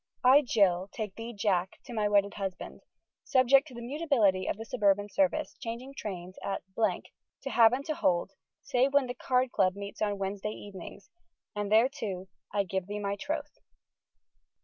"I, Jill, take thee, Jack, to my wedded husband, subject to the mutability of the suburban service, changing trains at , to have and to hold, save when the card club meets on Wednesday evenings, and thereto I give thee my troth."